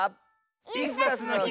「イスダスのひ」